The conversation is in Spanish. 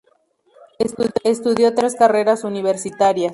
Estudió tres carreras universitarias.